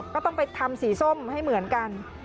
ก็ต้องไปทำสีส้มให้เหมือนกัน